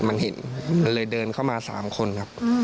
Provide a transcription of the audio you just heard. มันเห็นเลยเดินเข้ามาสามคนครับ